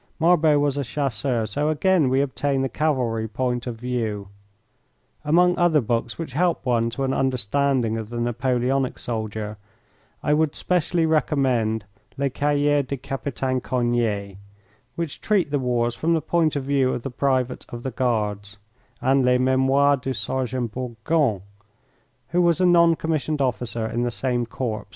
Marbot was a Chasseur, so again we obtain the Cavalry point of view. Among other books which help one to an understanding of the Napoleonic soldier I would specially recommend "Les Cahiers du Capitaine Coignet," which treat the wars from the point of view of the private of the Guards, and "Les Memoires du Sergeant Bourgoyne," who was a non commissioned officer in the same corps.